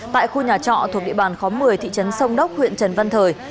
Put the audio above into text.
tại khu nhà trọ thuộc địa bàn khóm một mươi thị trấn sông đốc huyện trần văn thời